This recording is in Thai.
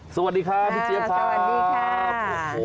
สวัสดีครับพี่เจี๊ยบครับสวัสดีครับ